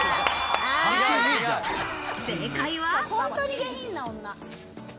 正解は。